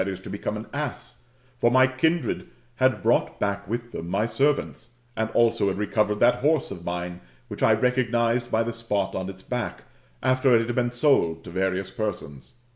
to become an ass] ; for my kindred had brought back with them my servants, and also had recovered that horse of mine, which I recognised by the spot on its back, after it had been ^Id to various persons.